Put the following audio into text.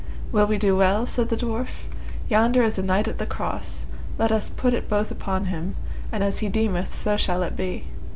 Will we do well? said the dwarf; yonder is a knight at the cross, let us put it both upon him, and as he deemeth so shall it be.